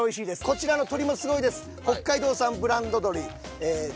こちらの鶏もすごいです。